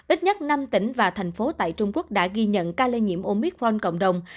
ít nhất năm tỉnh và thành phố tại trung quốc đã ghi nhận ca lây nhiễm omicron cộng đồng